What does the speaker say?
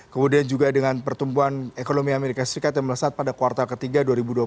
kemudian juga dengan pertumbuhan ekonomi amerika serikat yang melesat pada kuartal ketiga dua ribu dua puluh satu